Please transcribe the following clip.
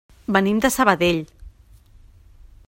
Venim de Sabadell.